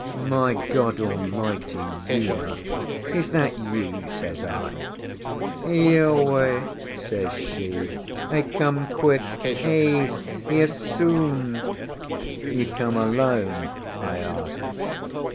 "My God Almighty, Uma, is that you?" says I. "Ioe," says she. "I come quick. Ese here soon." "You come alone?" I asked.